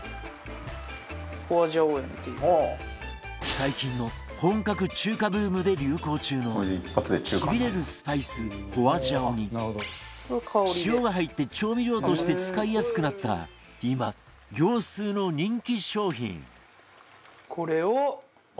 最近の本格中華ブームで流行中のしびれるスパイス花椒に塩が入って調味料として使いやすくなった今業スーの人気商品